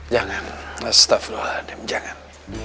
jangan astaghfirullahaladzim jangan